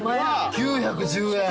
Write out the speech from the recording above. ・９１０円。